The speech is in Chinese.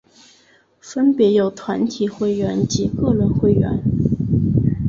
分别有团体会员及个人会员。